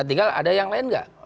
tinggal ada yang lain nggak